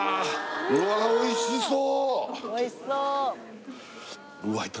うわおいしそう！